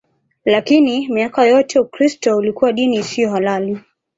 Lakini miaka yote Ukristo ulikuwa dini isiyo halali.